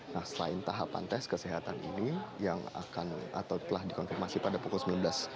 nah selain tahapan tes kesehatan ini yang akan atau telah dikonfirmasi pada pukul sembilan belas